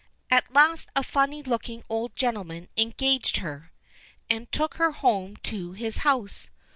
At last a funny looking old gentleman engaged her, and took her home to his house.